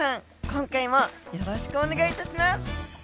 今回もよろしくお願い致します！